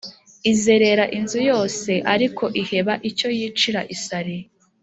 izerera inzu yose ariko iheba icyo yicira isari.